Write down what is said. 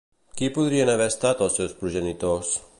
Qui podrien haver estat els seus progenitors?